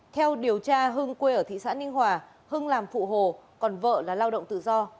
theo điều tra hưng quê ở thị xã ninh hòa hưng làm phụ hồ còn vợ là lao động tự do